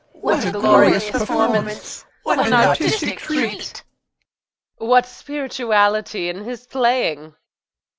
What a glorious performance! what an artistic treat! MRS. GOLD. What spirituality in his playing!